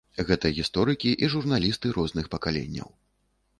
Гэта гісторыкі і журналісты розных пакаленняў.